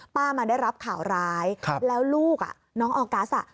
ป้ามาได้รับข่าวร้ายแล้วลูกน้องออกออกัส